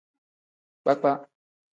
Kpakpa.